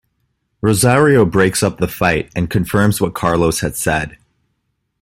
Rosario breaks up the fight, and confirms what Carlos has said.